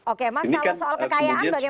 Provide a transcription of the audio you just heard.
oke mas kalau soal kekayaan bagaimana